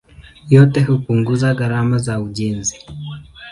Yote hupunguza gharama za ujenzi.